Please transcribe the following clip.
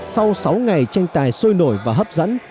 sau sáu ngày tranh tài sôi nổi và hấp dẫn